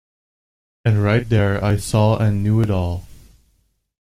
And right there I saw and knew it all.